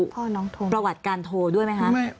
พ่อน้องโทรประวัติการโทรด้วยไหมคะ